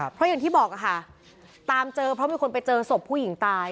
เพราะอย่างที่บอกค่ะตามเจอเพราะมีคนไปเจอศพผู้หญิงตาย